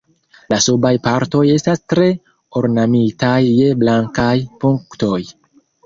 La subaj partoj estas tre ornamitaj je blankaj punktoj.